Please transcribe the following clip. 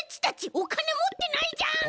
おかねもってないじゃん！